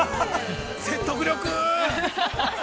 ◆説得力。